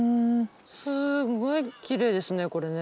すごいきれいですねこれね。